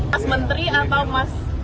mas menteri atau mas